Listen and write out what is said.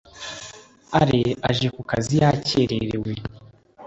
ale aje ku kazi yakererewe